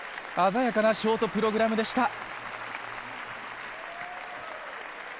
鮮やかなショートプログラムでした。